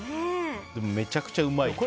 でも、めちゃくちゃうまいよ。